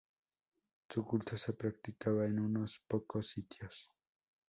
Su culto se practicaba en unos pocos sitios.